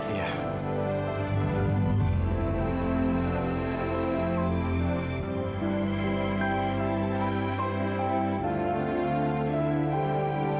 aku sudah pergi